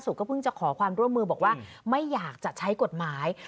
เพิ่งจะขอความร่วมมือบอกว่าไม่อยากจะใช้กฎหมาย